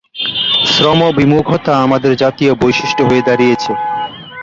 শ্রমবিমুখতা আমাদের জাতীয় বৈশিষ্ট্য হয়ে দাঁড়িয়েছে।